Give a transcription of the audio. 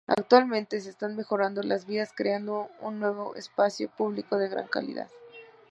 Actualmente se están mejorando las vías y creando nuevo espacio público de gran calidad.